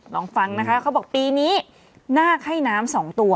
ลองฟังนะคะเขาบอกปีนี้นาคให้น้ำสองตัว